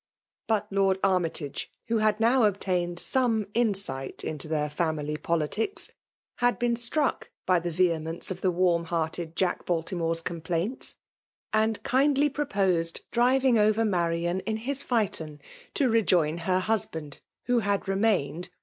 But Lovd Armytage, who had now obtained some insight into their family politics/ had boon Struck hf the vehemence of the warm hearted Jaek Bai> iimorcTs complaintsi and kitidty 'pfopos^ ilriymg over Marian in his phaeton to ic^a Jier husband, whohakl remained witli.